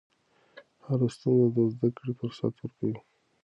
هره ستونزه د زدهکړې فرصت ورکوي.